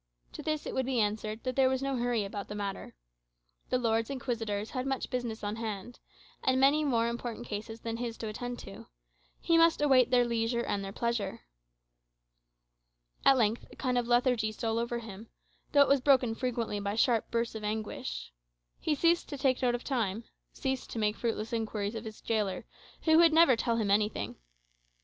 To this it would be answered, that there was no hurry about the matter. The Lords Inquisitors had much business on hand, and many more important cases than his to attend to; he must await their leisure and their pleasure. At length a kind of lethargy stole over him; though it was broken frequently by sharp bursts of anguish. He ceased to take note of time, ceased to make fruitless inquiries of his gaoler, who would never tell him anything.